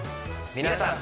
皆さん。